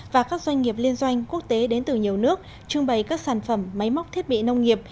và các doanh nghiệp liên doanh quốc tế đến từ nhiều nước trưng bày các sản phẩm máy móc thiết bị nông nghiệp